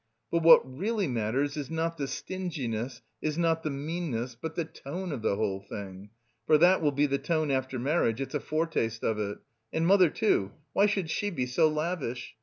But what really matters is not the stinginess, is not the meanness, but the tone of the whole thing. For that will be the tone after marriage, it's a foretaste of it. And mother too, why should she be so lavish?